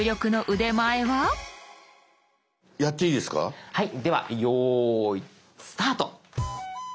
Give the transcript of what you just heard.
ではよいスタート。